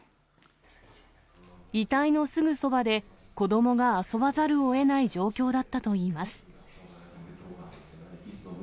遺体のすぐそばで、子どもが遊ばざるをえない状況だったといいます。